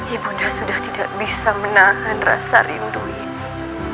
ibunda sudah tidak bisa menahan rasa rindu ini